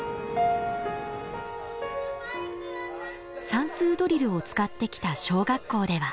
算数ドリルを使ってきた小学校では。